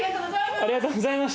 ありがとうございます。